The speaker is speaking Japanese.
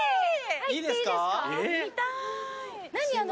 入っていいですか？